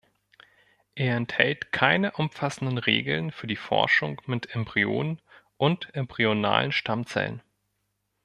Er enthält keine umfassenden Regeln für die Forschung mit Embryonen und embryonalen Stammzellen.